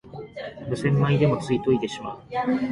無洗米でもつい研いでしまう